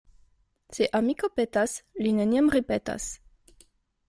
Se amiko petas, li neniam ripetas.